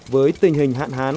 với tình hình hạn hán